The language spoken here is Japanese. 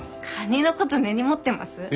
カニのこと根に持ってます？